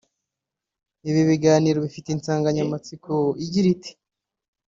Ibi biganiro bifite insanganyamatsiko igira iti